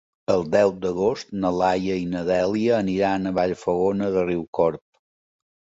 El deu d'agost na Laia i na Dèlia aniran a Vallfogona de Riucorb.